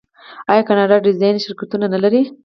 آیا کاناډا د ډیزاین شرکتونه نلري؟